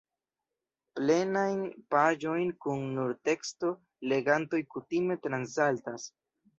Plenajn paĝojn kun nur teksto legantoj kutime transsaltas.